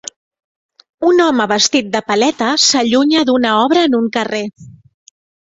Un home vestit de paleta s'allunya d'una obra en un carrer.